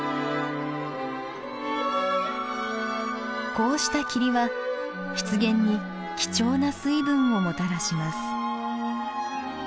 こうした霧は湿原に貴重な水分をもたらします。